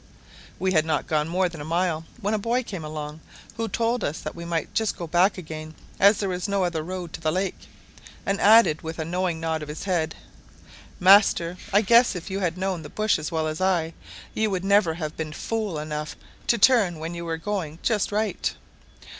We had not gone more than a mile when a boy came along, who told us we might just go back again, as there was no other road to the lake; and added, with a knowing nod of his head, "Master, I guess if you had known the bush as well as I, you would never have been fule enough to turn when you were going just right.